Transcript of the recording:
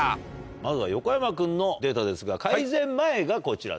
まずは横山君のデータですが改善前がこちらです。